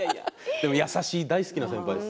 でも優しい大好きな先輩です。